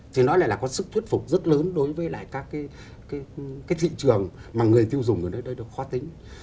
thì nó lại là có sức thuyết phục rất lớn đối với lại các cái thị trường mà người thư dùng ở đây đó khó tính